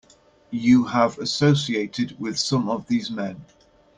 You have associated with some of these men.